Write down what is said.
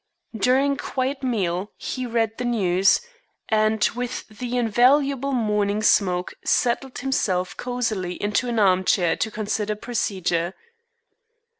During a quiet meal he read the news, and, with the invaluable morning smoke, settled himself cosily into an armchair to consider procedure.